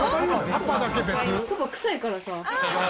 パパ臭いから。